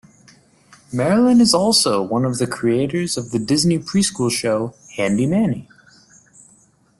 Marilyn is also one of the creators of the Disney preschool show "Handy Manny".